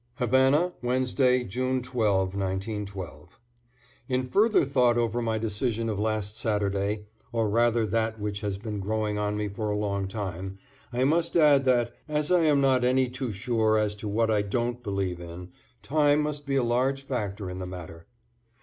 =Havana, Wednesday, June 12, 1912.= In further thought over my decision of last Saturday, or rather that which has been growing on me for a long time, I must add that, as I am not any too sure as to what I don't believe in, time must be a large factor in the matter.